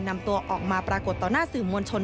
นำตัวออกมาปรากฏต่อหน้าสื่อมวลชน